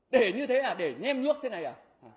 để như thế là để nhem nhuốc thế này à